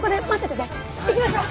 行きましょう！